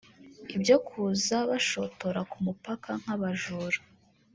Ibyo kuza bashotora ku mupaka nk’abajura